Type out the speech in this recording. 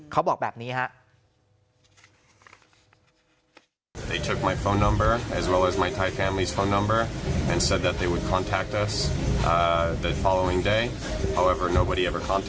เขาบอกแบบนี้